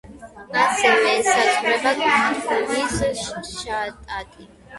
ასევე ესაზღვრება კუინზლენდის შტატი.